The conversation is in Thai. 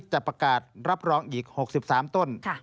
จะประกาศรับรองอีก๖๓ต้น